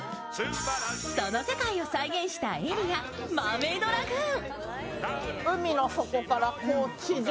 その世界を再現したエリアマーメイドラグーン。